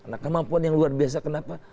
nah kemampuan yang luar biasa kenapa